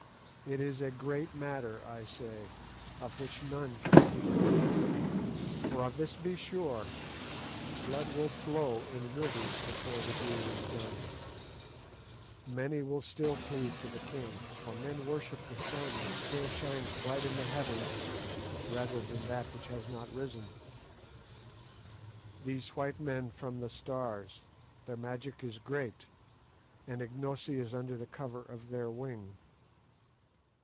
It is a great matter, I say, of which none can see the end. For of this be sure, blood will flow in rivers before the deed is done; many will still cleave to the king, for men worship the sun that still shines bright in the heavens, rather than that which has not risen. These white men from the Stars, their magic is great, and Ignosi is under the cover of their wing.